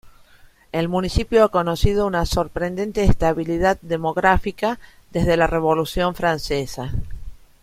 El municipio ha conocido una sorprendente estabilidad demográfica desde la Revolución francesa.